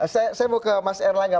saya mau ke mas erlangga